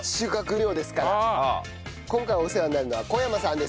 今回お世話になるのは小山さんです。